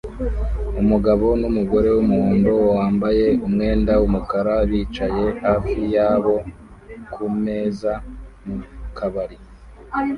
Umugabo numugore wumuhondo wambaye umwenda wumukara bicaye hafi yabo kumeza mukabari